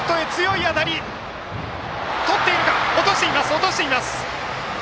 落としています！